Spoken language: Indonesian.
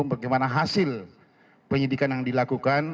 bagaimana hasil penyidikan yang dilakukan